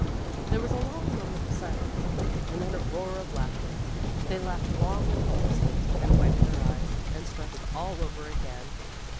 There was a long moment of silence, and then a roar of laughter. They laughed long and helplessly and wiped their eyes and started all over again.